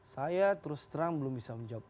saya terus terang belum bisa menjawab